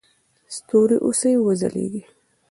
ستوري اوسئ او وځلیږئ.